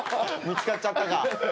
見つかっちゃったか。